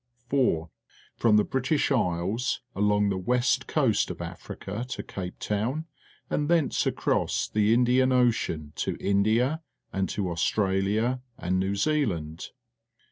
4. From the British Isles along the west coast of .\frica to Cape To\A n, and thence across the Indian Ocean to India and to Australia and New Zealand.